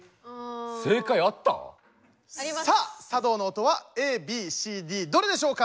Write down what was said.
正解あった⁉さあ茶道の音はＡＢＣＤどれでしょうか。